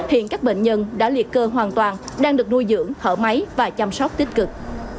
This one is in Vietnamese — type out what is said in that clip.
hiện các bệnh nhân đã liệt cơ hoàn toàn đang được nuôi dưỡng thở máy và chăm sóc tích cực